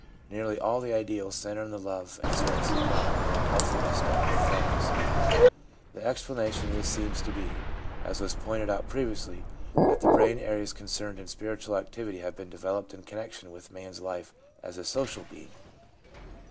Nearly all the ideals centre in the love and service of God, and in helpfulness to their fellows. The explanation of this seems to be, as was pointed out previously, that the brain areas concerned in spiritual activity have been developed in connection with man's life as a social being.